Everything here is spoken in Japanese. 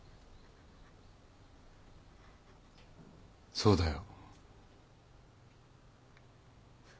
そうだよ。